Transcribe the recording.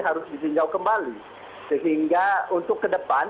harus ditinjau kembali sehingga untuk ke depan